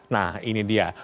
nah ini dia